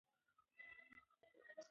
په ټولنه کې سالمه تغذیه د سولې لامل ګرځي.